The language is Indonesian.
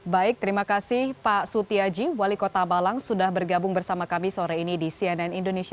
baik terima kasih pak sutiaji wali kota malang sudah bergabung bersama kami sore ini di cnn indonesia